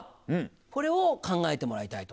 これを考えてもらいたいと思います。